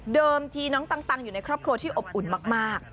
ที่น้องตังอยู่ในครอบครัวที่อบอุ่นมาก